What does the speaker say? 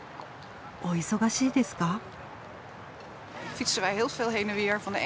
お忙しいですか？